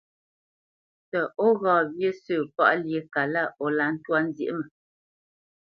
Tə ó ghó ŋgá wyé sə̂ páʼ lyé kalá o lǎ ntwá nzyěʼ mə?